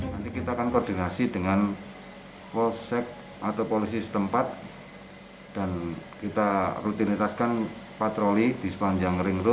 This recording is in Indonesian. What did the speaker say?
nanti kita akan koordinasi dengan polsek atau polisi setempat dan kita rutinitaskan patroli di sepanjang ring roa